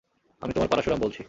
আমি তোমার পারাসুরাম বলছি।